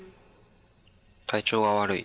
体調が悪い。